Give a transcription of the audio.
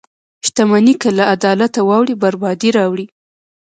• شتمني که له عدالته واوړي، بربادي راوړي.